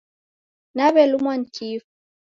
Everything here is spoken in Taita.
Nawelumwa ni kifu.